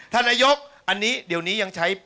ท่านนายกอันนี้เดี๋ยวนี้ยังใช้